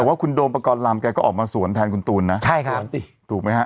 แต่ว่าคุณโดมประกอบลำแกก็ออกมาสวนแทนคุณตูนนะใช่ครับสวนสิถูกไหมฮะ